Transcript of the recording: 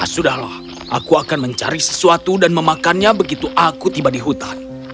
sudahlah aku akan mencari sesuatu dan memakannya begitu aku tiba di hutan